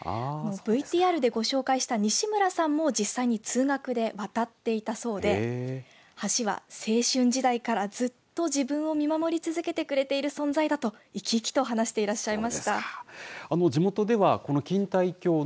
ＶＴＲでご紹介した西村さんも実際に通学で渡っていたそうで橋は青春時代からずっと自分を見守り続けてくれている存在だと生き生きと話していらっしゃいました。